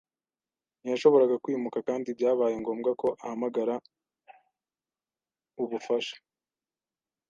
Ntiyashoboraga kwimuka kandi byabaye ngombwa ko ahamagara ubufasha.